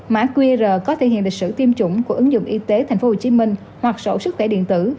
mã qr có thể hiện lịch sử tiêm chủng của ứng dụng y tế tp hcm hoặc sổ sức khỏe điện tử